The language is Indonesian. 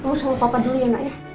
kamu sama papa dulu ya nak ya